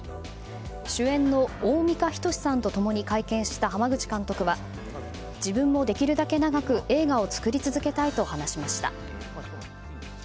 主演の大美賀均さんと一緒に会見した濱口監督は自分もできるだけ長く映画を作り続けたいと話しました。